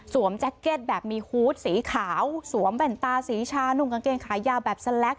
แจ็คเก็ตแบบมีฮูตสีขาวสวมแว่นตาสีชานุ่มกางเกงขายาวแบบสแล็ก